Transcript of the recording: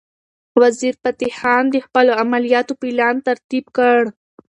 وزیرفتح خان د خپلو عملیاتو پلان ترتیب کړ.